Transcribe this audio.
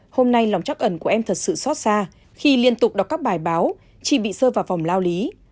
hôm nay lòng chắc ẩn của em thật sự xót xa khi liên tục đọc các bài báo chị bị rơi vào vòng lao lý